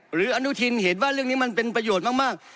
อนุทินเห็นว่าเรื่องนี้มันเป็นประโยชน์มาก